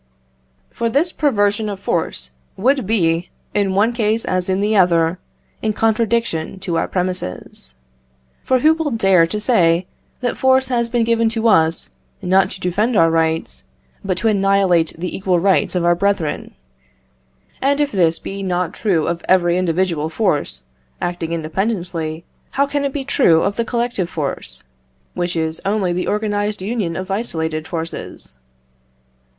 For this perversion of force would be, in one case as in the other, in contradiction to our premises. For who will dare to say that force has been given to us, not to defend our rights, but to annihilate the equal rights of our brethren? And if this be not true of every individual force, acting independently, how can it be true of the collective force, which is only the organized union of isolated forces?